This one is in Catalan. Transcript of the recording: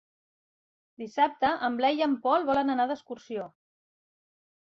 Dissabte en Blai i en Pol volen anar d'excursió.